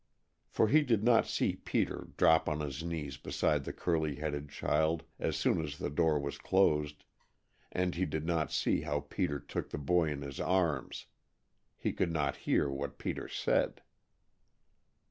For he did not see Peter drop on his knees beside the curly headed child as soon as the door was closed, and he did not see how Peter took the boy in his arms. He could not hear what Peter said.